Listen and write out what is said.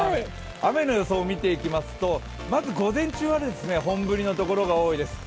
雨の予想を見ていきますと、まず午前中は本降りの所が多いです。